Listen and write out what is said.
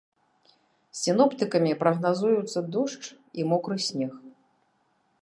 Сіноптыкамі прагназуюцца дождж і мокры снег.